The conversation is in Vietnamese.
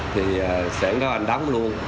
thì sẽ gọi anh đám luôn